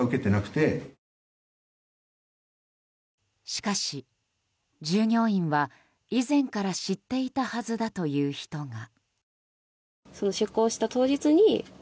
しかし、従業員は以前から知っていたはずだという人が。